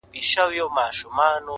o اوبه په کمزورې ورخ ماتېږي.